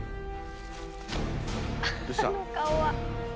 どうした？